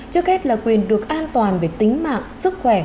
trước hết là quyền được an toàn về tính mạng sức khỏe